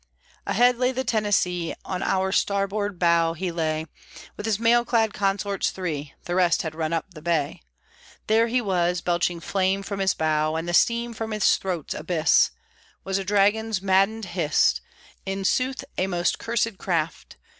Ahead lay the Tennessee, On our starboard bow he lay, With his mail clad consorts three (The rest had run up the bay): There he was, belching flame from his bow, And the steam from his throat's abyss Was a Dragon's maddened hiss; In sooth a most cursed craft!